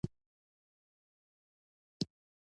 پلسترکاري د معمارۍ کسب یوه بله یا فعالیت دی.